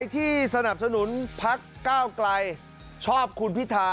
ที่สนับสนุนพักก้าวไกลชอบคุณพิธา